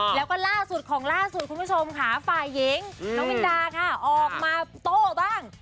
แล้วก็ล่าสุดของล่าสุดคุณผู้ชมค่ะฝ่ายหญิงน้องมินดาค่ะออกมาโต้บ้าง